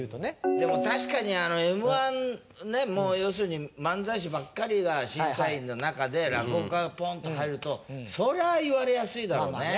でも確かにＭ−１ねもう要するに漫才師ばっかりが審査員の中で落語家がポンと入るとそりゃ言われやすいだろうね。